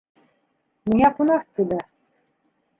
Миңә ҡунаҡ килә.